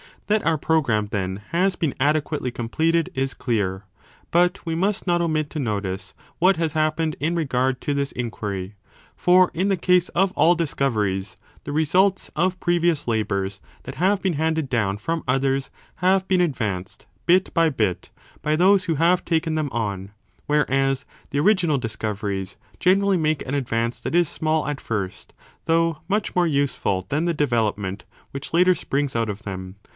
1 That our programme, then, has been adequately com pleted is clear. But we must not omit to notice what has happened in regard to this inquiry. For in the case of all discoveries the results of previous labours that have been handed down from others have been advanced bit by bit by those who have taken them on, whereas the original 20 discoveries generally make an advance that is small at first though much more useful than the development which later springs out of them.